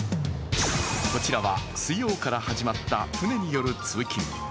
こちらは水曜から始まった船による通勤。